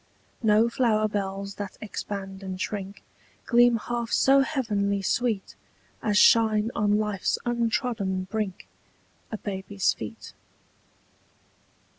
No flower bells that expand and shrink Gleam half so heavenly sweet As shine on life's untrodden brink A baby's feet.